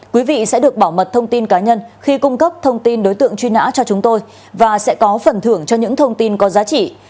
quý vị sẽ được bảo mật thông tin cá nhân khi cung cấp thông tin đối tượng truy nã cho chúng tôi và sẽ có phần thưởng cho những thông tin có giá trị